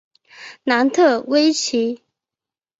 楠特威奇。